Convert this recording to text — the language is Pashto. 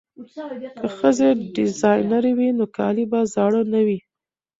که ښځې ډیزاینرې وي نو کالي به زاړه نه وي.